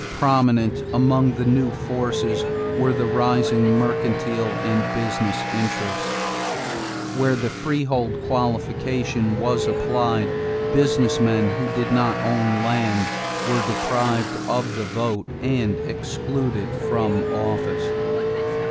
Prominent among the new forces were the rising mercantile and business interests. Where the freehold qualification was applied, business men who did not own land were deprived of the vote and excluded from office.